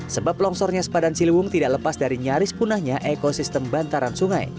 sebab longsornya sepadan ciliwung tidak lepas dari nyaris punahnya ekosistem bantaran sungai